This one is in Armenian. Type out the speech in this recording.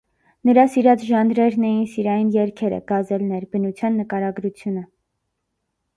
Նրա սիրած ժանրերն էին սիրային երգերը (գազելներ), բնության նկարագրությունը։